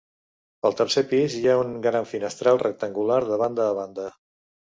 Al tercer pis hi ha un gran finestral rectangular de banda a banda.